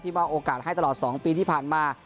มอบโอกาสให้ตลอด๒ปีที่ผ่านมา